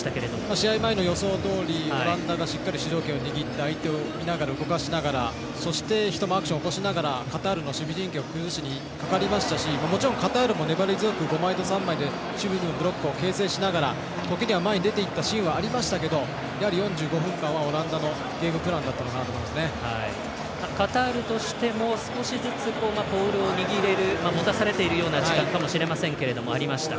試合前の予想どおりオランダがしっかり主導権を握って相手を見ながら動かしながら、そしてアクションを起こしながらカタールの守備陣形を崩しにかかりましたしもちろん、カタールも粘り強く５枚と３枚で守備のブロックを形成しながら時には前に出ていったシーンもありましたけどやはり４５分間はオランダのゲームプランだったのかなとカタールとしても少しずつボールを持たされているような時間かもしれませんが、ありました。